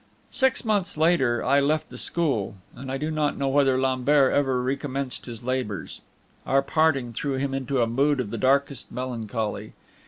Six months later I left the school, and I do not know whether Lambert ever recommenced his labors. Our parting threw him into a mood of the darkest melancholy.